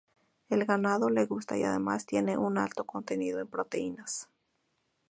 Al ganado le gusta y además tiene un alto contenido en proteínas.